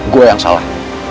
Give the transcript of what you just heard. gue yang salah